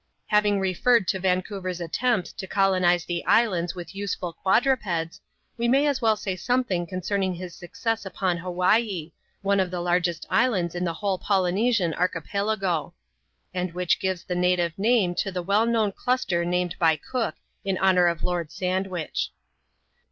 Having referred to Vancouver's attempts to colonize the islands with useful quadrupeds, we may as well say something concerning his success upon Hawaii, one of the largest islands in the whole Polynesian Archipelago ; and which gives the na tive name to the well known cluster named by Cook in honour of Lord Sandwich.